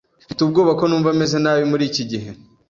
Mfite ubwoba ko numva meze nabi muri iki gihe.